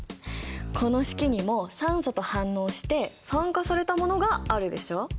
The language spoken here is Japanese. この式にも酸素と反応して酸化されたものがあるでしょ？